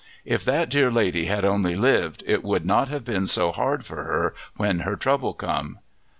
If that dear lady had only lived it would not have been so hard for her when her trouble come!